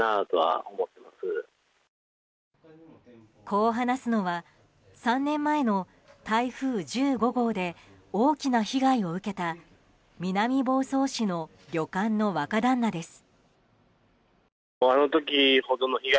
こう話すのは３年前の台風１５号で大きな被害を受けた南房総市の旅館の若旦那です。